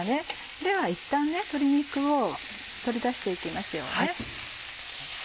ではいったん鶏肉を取り出して行きましょう。